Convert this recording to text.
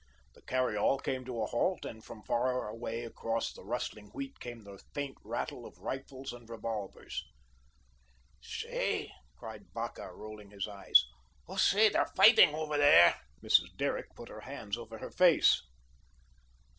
The carry all came to a halt and from far away across the rustling wheat came the faint rattle of rifles and revolvers. "Say," cried Vacca, rolling his eyes, "oh, say, they're fighting over there." Mrs. Derrick put her hands over her face.